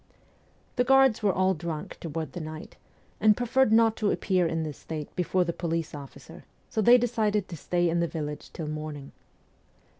The guards were all drunk toward night, and preferred not to appear in this state before the police officer, so they decided to stay in the village till morning.